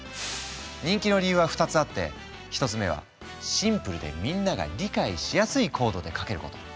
人気の理由は２つあって１つ目はシンプルでみんなが理解しやすいコードで書けること。